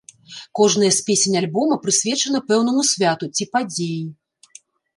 Кожная з песень альбома прысвечана пэўнаму святу ці падзеі.